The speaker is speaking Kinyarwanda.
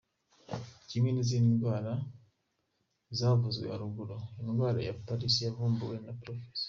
Kimwe n’izindi ndwara zavuzwe haruguru, indwara ya Paris yavumbuwe na Prof.